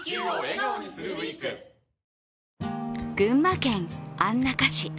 群馬県安中市